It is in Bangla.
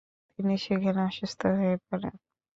তিনি সেখানে অসুস্থ হয়ে পড়েন।